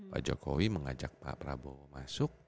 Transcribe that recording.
pak jokowi mengajak pak prabowo masuk